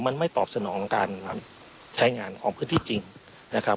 มันไม่ตอบสนองการใช้งานของพื้นที่จริงนะครับ